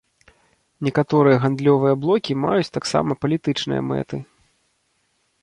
Некаторыя гандлёвыя блокі маюць таксама палітычныя мэты.